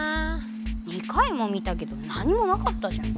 ２回も見たけど何もなかったじゃん。